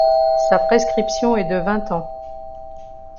Sa prescription est de vingt ans.